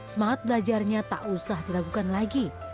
semangat belajarnya tak usah diragukan lagi